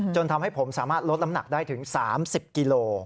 จนทำให้ผมสามารถลดน้ำหนักได้ถึง๓๐กิโล